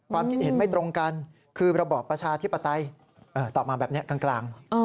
ความคิดเห็นไม่ตรงกันคือระบอบประชาธิปไตยตอบมาแบบนี้กลาง